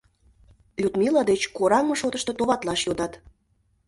— Людмила деч кораҥме шотышто товатлаш йодат.